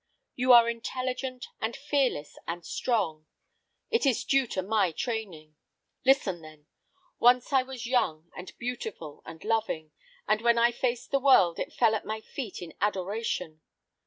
You are intelligent, and fearless, and strong. It is due to my training. Listen, then! Once I was young and beautiful and loving, and when I faced the world it fell at my feet in adoration.